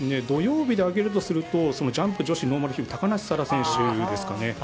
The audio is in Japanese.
土曜日で挙げるとするとジャンプ女子ノーマルヒル高梨沙羅選手ですかね。